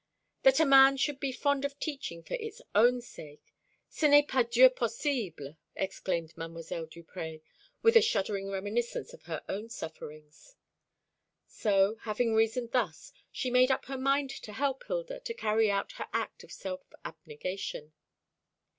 "That a man should be fond of teaching for its own sake ce n'est pas Dieu possible!" exclaimed Mdlle. Duprez, with a shuddering reminiscence of her own sufferings. So, having reasoned thus, she made up her mind to help Hilda to carry out her act of self abnegation.